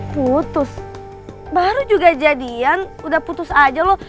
putus baru juga jadian udah putus aja loh